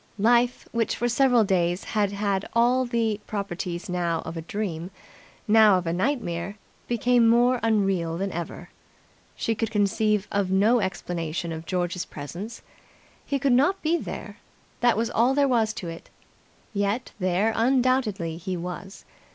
Life, which for several days had had all the properties now of a dream, now of a nightmare, became more unreal than ever. She could conceive no explanation of George's presence. He could not be there that was all there was to it; yet there undoubtedly he was.